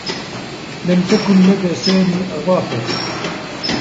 لم تكن لدى سامي أظافر.